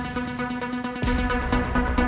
apa mereka masuk